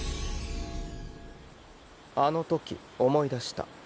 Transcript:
あの時思い出した。